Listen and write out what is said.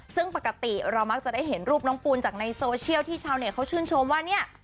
ซึ่งปกติเรามักจะได้เห็นรูปน้องปูนจากในโซเชียลที่ชาวเน็ตเขาชื่นชมว่าเนี่ย